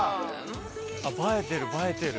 映えてる映えてる。